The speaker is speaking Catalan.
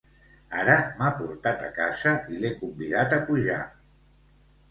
Ara m'ha portat a casa i l'he convidat a pujar.